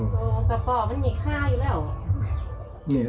กับปอล์มันมีค่าอยู่แล้ว